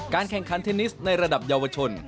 แข่งขันเทนนิสในระดับเยาวชน